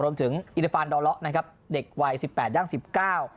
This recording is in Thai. อิริฟานดอเลาะนะครับเด็กวัยสิบแปดย่างสิบเก้า